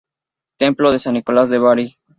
Templo de San Nicolás de Bari.